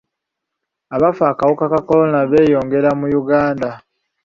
Abafa akawuka ka kolona beeyongera mu Uganda.